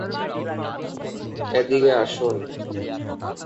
অনেকের ধারণা, এটি এমন একটি দিন যেদিন সমস্ত মৃত লোককে পুনরুত্থিত করা হবে।